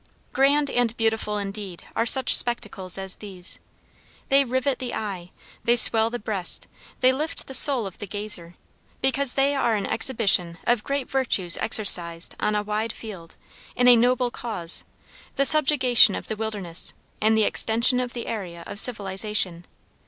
Grand and beautiful indeed are such spectacles as these. They rivet the eye, they swell the breast, they lift the soul of the gazer, because they are an exhibition of great virtues exercised on a wide field, in a noble cause the subjugation of the wilderness, and the extension of the area of civilization.